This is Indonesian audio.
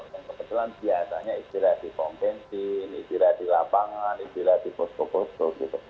yang kebetulan biasanya istirahat di kompensi istirahat di lapangan istirahat di pusku pusku gitu